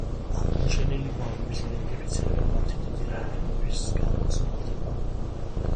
აღმოჩენილი გვამების იდენტიფიცირება მათი დიდი რაოდენობის გამო, ძნელდება.